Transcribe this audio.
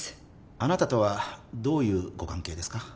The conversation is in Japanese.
あなたとはどういうご関係ですか？